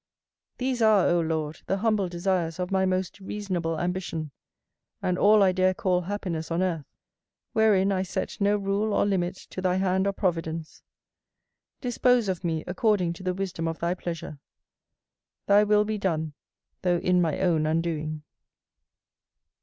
These are, O Lord, the humble desires of my most reasonable ambition, and all I dare call happiness on earth; wherein I set no rule or limit to thy hand or providence; dispose of me according to the wisdom of thy pleasure. Thy will be done, though in my own undoing.